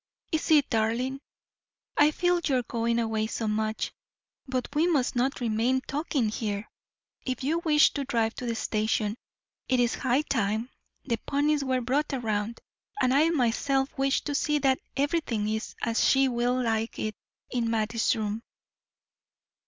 "Is it, darling? I feel your going away so much. But we must not remain talking here. If you wish to drive to the station, it is high time the ponies were brought round, and I myself wish to see that everything is as she will like it in Mattie's room."